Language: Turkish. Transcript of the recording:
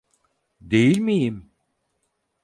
Değil miyim?